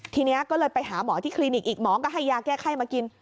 ทีนี้ก็เลยไปหาหมอที่คลินิกอีกหมอก็ให้ยาแก้ไข้มากิน